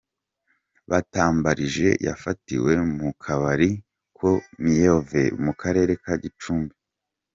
Batambarije yafatiwe mu Kabari ko Miyove mu karere ka Gicumbi.